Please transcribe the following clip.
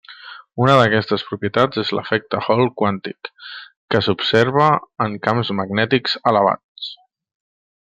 Una d'aquestes propietats és l'efecte Hall quàntic, que s'observa en camps magnètics elevats.